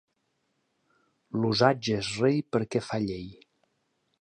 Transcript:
L'usatge és rei perquè fa llei.